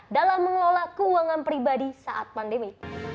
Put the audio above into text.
dalam mengelola keuangan pribadi saat pandemi